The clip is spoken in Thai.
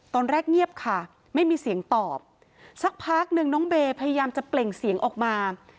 ตอนแรกเงียบค่ะไม่มีเสียงตอบสักพักหนึ่งน้องเบย์พยายามจะเปล่งเสียงออกมา